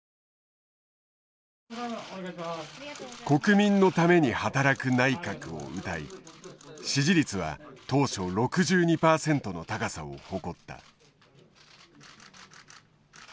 国民のために働く内閣をうたい支持率は当初６２％の高さを誇った。